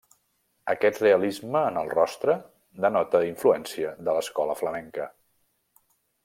Aquest realisme en el rostre denota influència de l'escola flamenca.